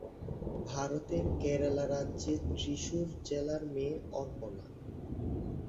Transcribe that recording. ভারতের কেরালা রাজ্যের ত্রিশূর জেলার মেয়ে অপর্ণা।